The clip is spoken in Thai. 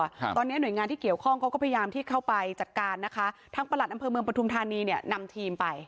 ครับตอนเนี้ยหน่วยงานที่เกี่ยวข้องเขาก็พยายามที่เข้าไปจัดการนะคะทางประหลัดอำเภอเมืองปฐุมธานีเนี่ยนำทีมไป